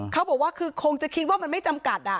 เขาบอกว่าคือคงจะคิดว่ามันไม่จำกัด